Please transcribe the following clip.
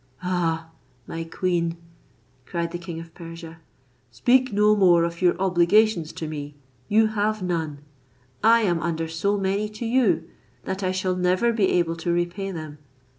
"Ah! my queen,"cried the king of Persia, "speak no more of your obligations to me; you have none; I am under so many to you, that I shall never be able to repay them.